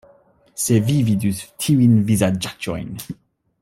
Se Vi vidus tiujn vizaĝaĉojn!